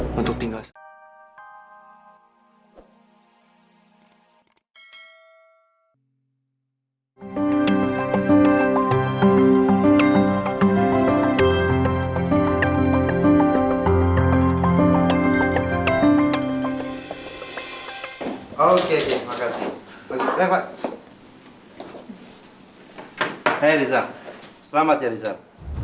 hai rizal selamat ya rizal